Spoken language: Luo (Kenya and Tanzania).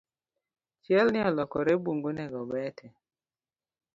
Chielni olokore bungu onego bete